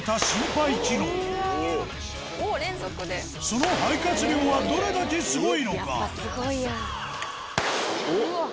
その肺活量はどれだけすごいのか？